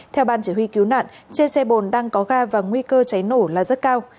theo ban chỉ huy cứu nạn trên xe bồn đang có ga và nguy cơ cháy nổ là rất cao